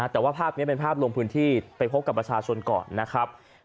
แต่ว่าภาพนี้เป็นภาพลงพื้นที่ไปพบกับประชาชนก่อนนะครับ